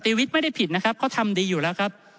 วิทย์ไม่ได้ผิดนะครับเขาทำดีอยู่แล้วครับ